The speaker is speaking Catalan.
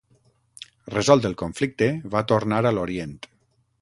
Resolt el conflicte, va tornar a l'Orient.